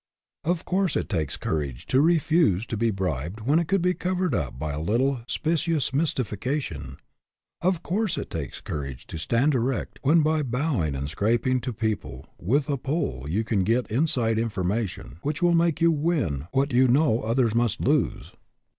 Of course it takes courage to refuse to be bribed when it could be covered up by a little specious mys tification. Of course it takes courage to stand erect when by bowing and scraping to people with a pull you can get inside information 128 HAS YOUR VOCATION APPROVAL which will make you win what you know others must lose.